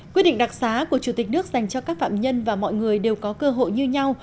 quyết định đặc xá của chủ tịch nước dành cho các phạm nhân và mọi người đều có cơ hội như nhau